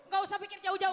gak usah bikin jauh jauh